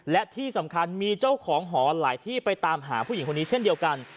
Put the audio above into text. และที่สำคัญมีเจ้าของหอหลายที่ไปตามหาผู้หญิงคนนี้เช่นเดียวกัน